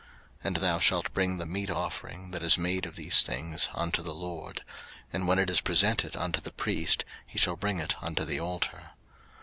03:002:008 And thou shalt bring the meat offering that is made of these things unto the LORD: and when it is presented unto the priest, he shall bring it unto the altar.